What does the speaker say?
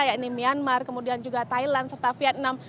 yakni myanmar kemudian juga thailand serta vietnam